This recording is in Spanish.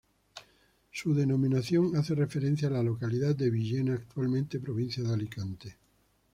Su denominación hace referencia a la localidad de Villena, actualmente provincia de Alicante.